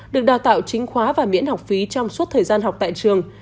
được đào tạo chính khóa và miễn học phí trong suốt thời gian học tại trường